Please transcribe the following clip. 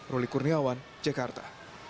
roli kurniawan jakarta